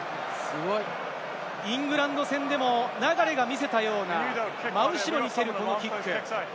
イングランド戦でも流が見せたような真後ろに蹴る、このキック。